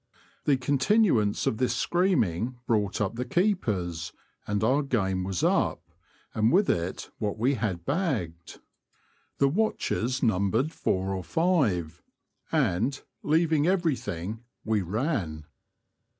The continuance of this screaming brought up the keepers, and our game was up, and with it what we had bagged. The watchers numbered four or five, and, leaving everything, we ran.